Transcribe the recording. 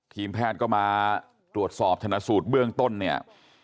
ทีมแพทย์ก็มาตรวจสอบชนะสูตรเบื้องต้นเนี่ย